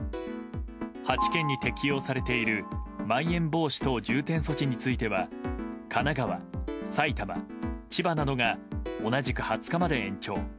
８県に適用されているまん延防止等重点措置については神奈川、埼玉、千葉などが同じく２０日まで延長。